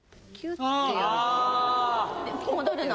・で戻るの。